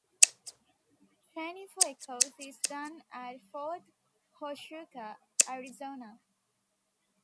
Training for "Echoes" is done at Fort Huachuca, Arizona.